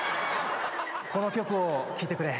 この曲を聞いてくれ。